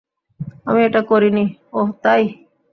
আমি এটা করি নি - ওহ, তাই?